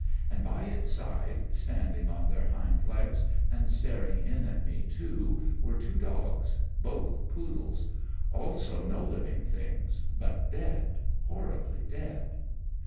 And by its side, standing on their hind legs, and staring in at me too were two dogs, both poodles also no living things, but dead, horribly dead.